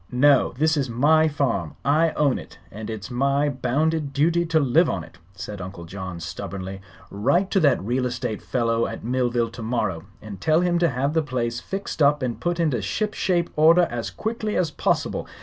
"No; this is my farm. I own it, and it's my bounded duty to live on it," said Uncle John, stubbornly. "Write to that real estate fellow at Millville tomorrow and tell him to have the place fixed up and put into ship shape order as quickly as possible.